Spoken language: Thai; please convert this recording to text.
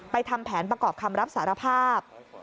ทำแผนประกอบคำรับสารภาพ